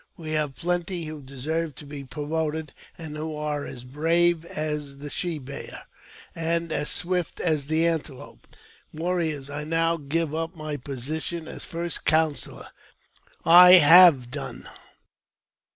We have plenty who deserve to be promoted, who are as brave as the she bear, and as swift as the antelope Warriors, I now give up my position as first counsellor, have done."